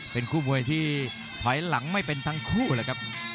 เป็นคู่มวยที่ถอยหลังไม่เป็นทั้งคู่เลยครับ